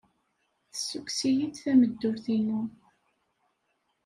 Tessukkes-iyi-d tameddurt-inu.